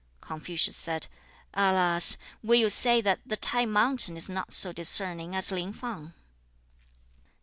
Confucius said, 'Alas! will you say that the T'ai mountain is not so discerning as Lin Fang?'